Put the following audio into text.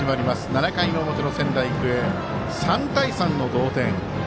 ７回の表の仙台育英、３対３の同点。